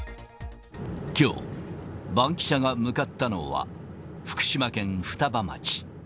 きょう、バンキシャが向かったのは、福島県双葉町。